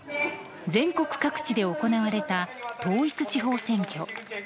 全国各地で行われた統一地方選挙。